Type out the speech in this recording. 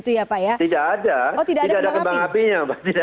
tidak ada tidak ada kebang apinya